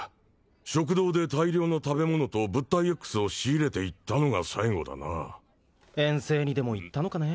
食堂で大量の食べ物と物体Ｘを仕入れていったのが最後だな遠征にでも行ったのかね